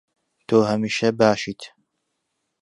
تۆ هەمیشە باشیت.